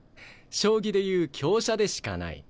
将棋で言う香車でしかない。